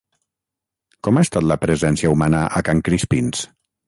Com ha estat la presència humana a Can Crispins?